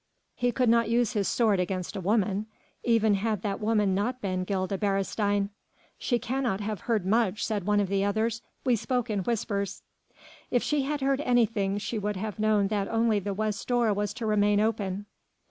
He could not use his sword against a woman even had that woman not been Gilda Beresteyn. "She cannot have heard much," said one of the others, "we spoke in whispers." "If she had heard anything she would have known that only the west door was to remain open.